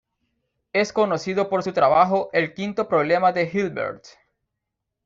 Es conocido por su trabajo El quinto problema de Hilbert.